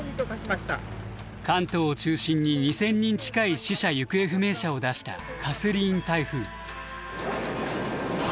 関東を中心に２，０００人近い死者・行方不明者を出したカスリーン台風。